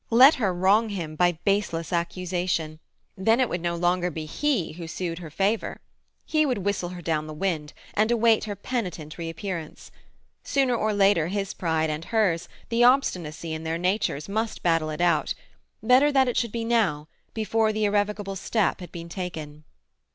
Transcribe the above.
Let her wrong him by baseless accusation! Then it would no longer be he who sued for favour. He would whistle her down the wind, and await her penitent reappearance. Sooner or later his pride and hers, the obstinacy in their natures, must battle it out; better that it should be now, before the irrevocable step had been taken.